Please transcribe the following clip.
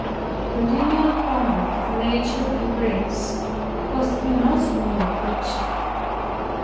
The continual combat of nature and grace cost me no small affliction.